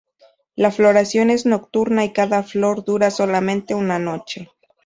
La floración es nocturna y cada flor dura solamente una noche.